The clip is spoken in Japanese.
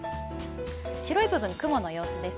白い部分、雲の様子です。